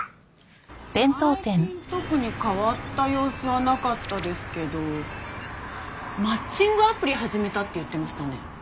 最近特に変わった様子はなかったですけどマッチングアプリ始めたって言ってましたね。